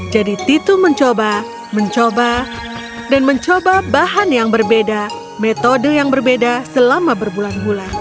jadi titu mencoba mencoba dan mencoba bahan yang berbeda metode yang berbeda selama berbulan bulan